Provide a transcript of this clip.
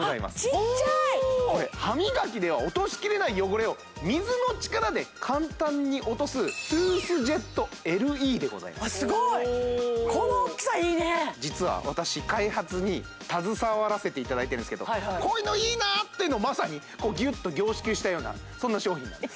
ちっちゃいこれ歯磨きでは落としきれない汚れを水の力で簡単に落とすトゥースジェットＬＥでございますあっすごいこの大きさいいねおお実は私開発に携わらせていただいてるんですけどこういうのいいなっていうのをまさにこうギュッと凝縮したようなそんな商品なんです